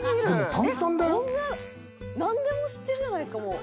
「なんでも知ってるじゃないですかもう」